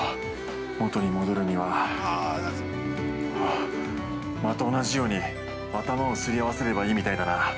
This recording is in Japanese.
元に戻るにはまた同じように頭をすり合わせればいいみたいだな。